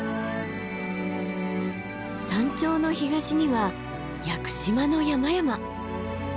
山頂の東には屋久島の山々。